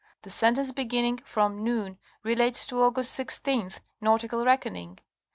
The sentence beginning ''From noon" relates to August 16th, nautical reckoning.